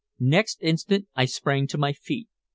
Next instant I sprang to my feet.